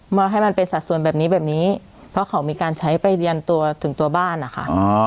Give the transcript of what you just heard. ให้มันเป็นสัดส่วนแบบนี้แบบนี้เพราะเขามีการใช้ไปเรียนตัวถึงตัวบ้านนะคะ